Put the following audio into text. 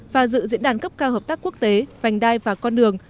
và dự diễn đàn cấp cao hợp tác quốc tế vành đai và con đường